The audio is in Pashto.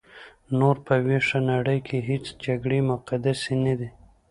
نور په ویښه نړۍ کې هیڅ جګړې مقدسې نه دي.